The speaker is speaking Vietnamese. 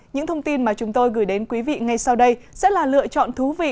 những thông tin mà chúng tôi gửi đến quý vị ngay sau đây sẽ là lựa chọn thú vị